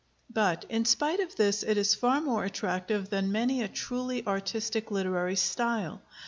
But in spite of this it is far more attractive than many a truly artistic literary style.